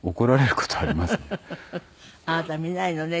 「あなた見ないのね」